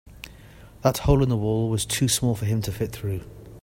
That hole in the wall was too small for him to fit through.